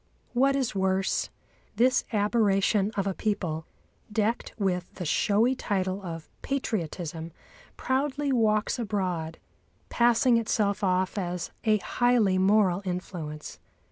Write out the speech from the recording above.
What is worse, this aberration of a people, decked with the showy title of "patriotism," proudly walks abroad, passing itself off as a highly moral influence.